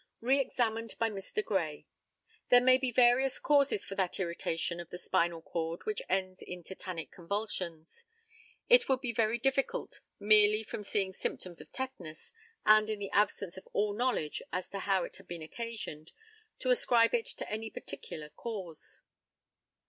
Re examined by Mr. GRAY. There may be various causes for that irritation of the spinal cord which ends in tetanic convulsions. It would be very difficult merely from seeing symptoms of tetanus, and in the absence of all knowledge as to how it had been occasioned, to ascribe it to any particular cause.